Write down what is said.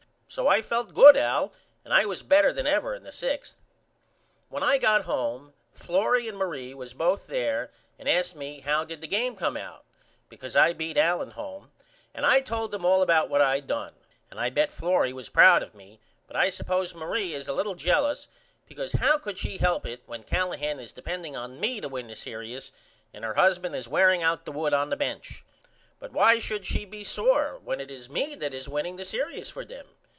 So I felt good Al and I was better than ever in the 6th. When I got home Florrie and Marie was both there and asked me how did the game come out because I beat Allen home and I told them all about what I done and I bet Florrie was proud of me but I supose Marie is a little jellus because how could she help it when Callahan is depending on me to win the serious and her husband is wearing out the wood on the bench? But why should she be sore when it is me that is winning the serious for them?